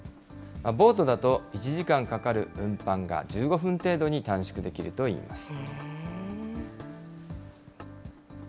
ボートだと、１時間かかる運搬が１５分程度に短縮できるといいます。